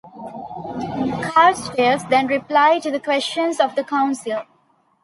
Carstares then replied to the questions of the Council.